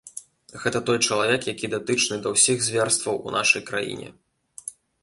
Гэта той чалавек, які датычны да ўсіх зверстваў у нашай краіне.